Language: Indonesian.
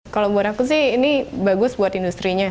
kalau buat aku sih ini bagus buat industri nya